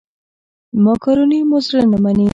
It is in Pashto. مېکاروني مو زړه نه مني.